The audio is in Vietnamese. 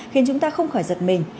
khiến chúng ta không khỏi giật mình